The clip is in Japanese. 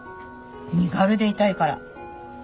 身軽でいたいから。